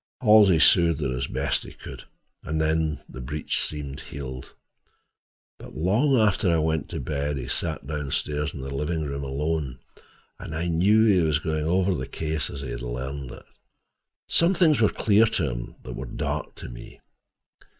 Halsey soothed her as best he could, and the breach seemed healed. But long after I went to bed he sat down stairs in the living room alone, and I knew he was going over the case as he had learned it. Some things were clear to him that were dark to me.